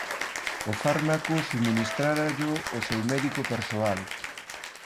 O fármaco subministrárallo o seu médico persoal.